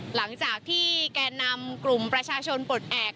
หลังจากที่แก่นำกลุ่มประชาชนปลดแอบ